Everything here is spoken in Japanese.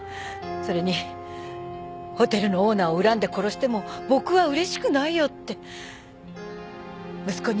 それにホテルのオーナーを恨んで殺しても僕はうれしくないよって息子に言われるような気がして。